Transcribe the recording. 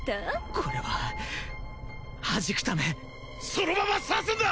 これははじくためそのまま刺すんだ！